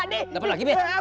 gue dapet lagi nek